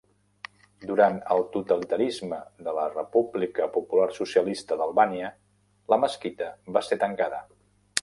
Durant el totalitarisme de la República Popular Socialista d'Albània, la mesquita va ser tancada.